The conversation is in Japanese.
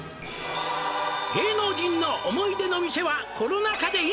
「芸能人の思い出の店はコロナ渦で今！？」